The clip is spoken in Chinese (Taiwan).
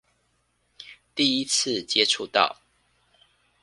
第一次接觸到